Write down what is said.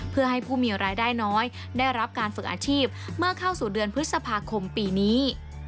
เพื่อให้ผู้มีรายได้น้อยได้รับการฝึกอาชีพเมื่อเข้าสู่เดือนพฤษภาคมปีนี้